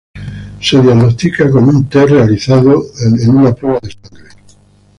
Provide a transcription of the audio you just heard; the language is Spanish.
Se diagnóstica con un test realizado a una prueba de sangre.